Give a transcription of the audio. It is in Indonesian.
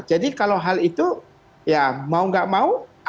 jadi kalau hal itu ya mau gak mau